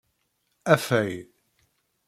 Afay.